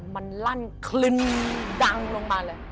มันลั่นคลึนดังลงมาเลย